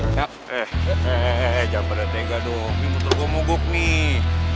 eh eh eh eh jangan berdeg deg dong ini motor gue mogok nih